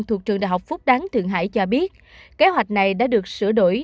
thuộc trường đại học phúc đáng thượng hải cho biết kế hoạch này đã được sửa đổi